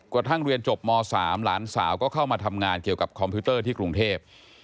กระทั่งเรียนจบม๓หลานสาวก็เข้ามาทำงานเกี่ยวกับคอมพิวเตอร์ที่กรุงเทพ